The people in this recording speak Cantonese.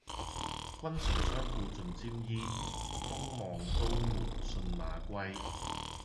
君臣相顧盡沾衣，東望都門信馬歸。